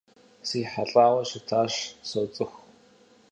СрихьэлӀауэ щытащ, соцӀыху.